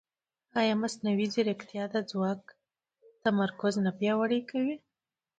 ایا مصنوعي ځیرکتیا د ځواک تمرکز نه پیاوړی کوي؟